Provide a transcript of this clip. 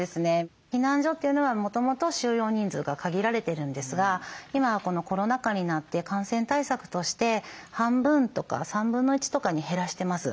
避難所というのはもともと収容人数が限られてるんですが今はコロナ禍になって感染対策として半分とか３分の１とかに減らしてます。